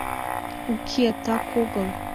— Уке, так огыл.